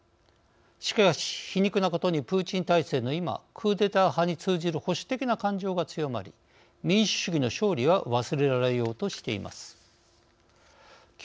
しかし皮肉なことにプーチン体制の今クーデター派に通じる保守的な感情が強まり「民主主義の勝利」は忘れられようとしています。